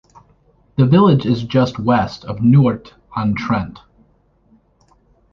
The village is just west of Newark-on-Trent.